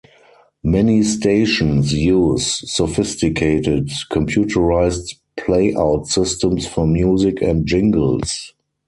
Many stations use sophisticated computerised playout systems for music and jingles.